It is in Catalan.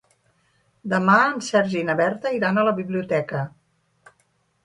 Demà en Sergi i na Berta iran a la biblioteca.